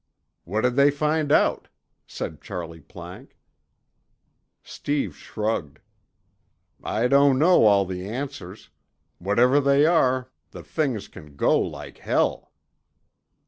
"What did they find out?" said Charley Planck. Steve shrugged. "I don't know all the answers. Whatever they are, the things can go like hell."